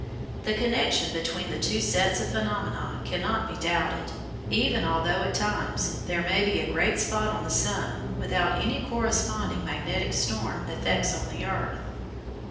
The connection between the two sets of phenomena cannot be doubted, even although at times there may be a great spot on the sun without any corresponding "magnetic storm" effects on the earth.